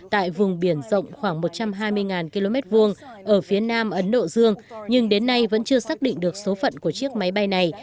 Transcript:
tại vùng biển rộng khoảng một trăm hai mươi km hai ở phía nam ấn độ dương nhưng đến nay vẫn chưa xác định được số phận của chiếc máy bay này